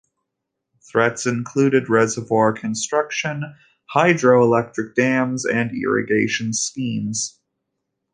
Threats included reservoir construction, hydroelectric dams, and irrigation schemes.